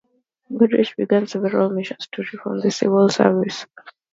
Goodrich began several measures to reform the civil service.